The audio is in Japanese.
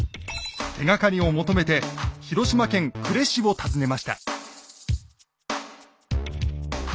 手がかりを求めて広島県呉市を訪ねました。